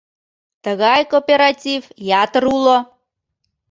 Тыгай кооператив ятыр уло.